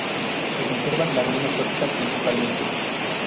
Se conservan las ruinas góticas principalmente.